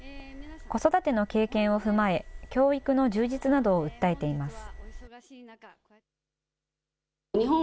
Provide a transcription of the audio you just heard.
子育ての経験を踏まえ、教育の充実などを訴えています。